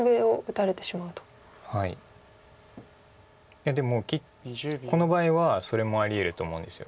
いやでもこの場合はそれもありえると思うんです。